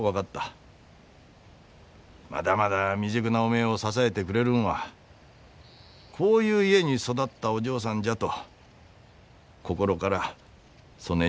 まだまだ未熟なおめえを支えてくれるんはこういう家に育ったお嬢さんじゃと心からそねえに思えた。